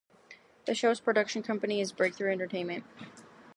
The show's production company is Breakthrough Entertainment.